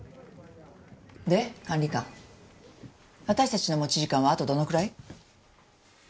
で管理官私たちの持ち時間はあとどのくらい？